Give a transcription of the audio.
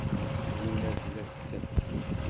Zwina tella tettafeg.